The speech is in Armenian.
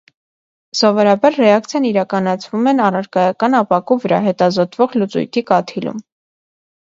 Սովորաբար ռեակցիան իրականացնում են առարկայական ապակու վրա, հետազոտվող լուծույթի կաթիլում։